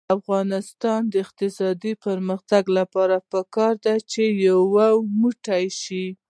د افغانستان د اقتصادي پرمختګ لپاره پکار ده چې یو موټی شو.